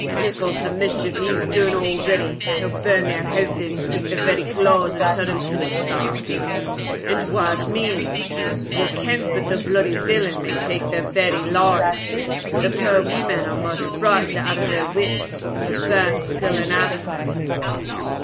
Mickle's the mischief he has dune already. He'll burn their hooses, tak their very claes, and tirl them to the sark. And waes me! wha kens but the bluidy villain might tak their lives? The puir weemen are maist frightened out o' their wits, and the bairns skirling after them.